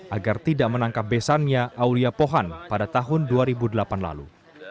agar tidak menangkap besannya aulia pohan pada tahun dua ribu delapan lalu